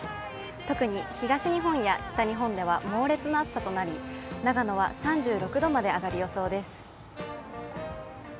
特に東日本や北日本では猛烈な暑さとなり、長野は３６度まで上がる予想です。